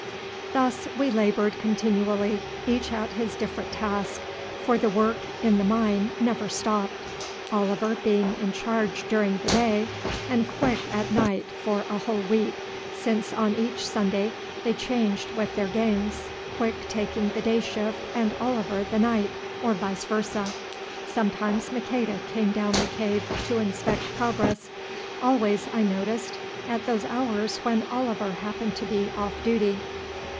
Thus we laboured continually, each at his different task, for the work in the mine never stopped, Oliver being in charge during the day and Quick at night for a whole week, since on each Sunday they changed with their gangs, Quick taking the day shift and Oliver the night, or vice versa. Sometimes Maqueda came down the cave to inspect progress, always, I noticed, at those hours when Oliver happened to be off duty.